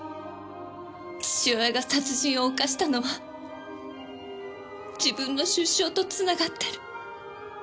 父親が殺人を犯したのは自分の出生とつながってる。